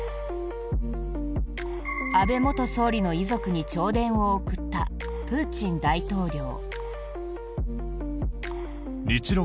安倍元総理の遺族に弔電を送ったプーチン大統領。